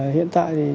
hiện tại thì chúng tôi